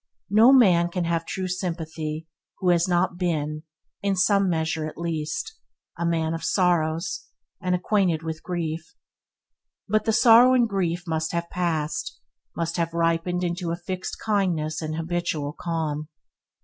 No man can have true sympathy who has not been, in some measure at least, "a man of sorrows, and acquainted with grief," but the sorrow and grief must have passed, must have ripened into a fixed kindness and habitual calm.